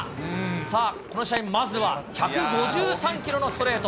さあ、この試合まずは１５３キロのストレート。